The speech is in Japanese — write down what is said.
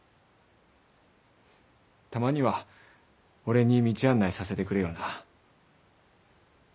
たまには俺に道案内させてくれよな。